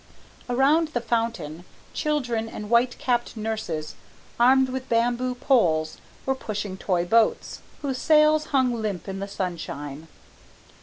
Around the fountain, children and white capped nurses armed with bamboo poles were pushing toy boats, whose sails hung limp in the sunshine.